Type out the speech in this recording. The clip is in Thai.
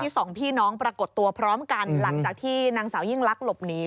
สองพี่น้องปรากฏตัวพร้อมกันหลังจากที่นางสาวยิ่งลักษณ์หลบหนี